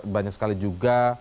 banyak sekali juga